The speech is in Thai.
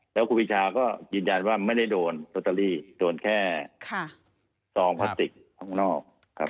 แล้วครูปีชาก็ยืนยันว่าไม่ได้โดนโรตเตอรี่โดนแค่ซองพลาสติกข้างนอกครับ